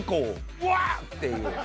うわっていう。